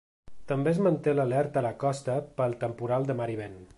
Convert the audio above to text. També es manté l’alerta a la costa pel temporal de mar i vent.